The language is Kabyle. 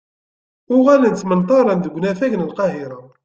Uɣalen ttmenṭaren deg unafag n Lqahira.